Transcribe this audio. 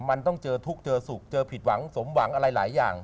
มันต้องเจอทุกข์เจอสุขเจอผิดหวังสมหวังอะไรหลายอย่าง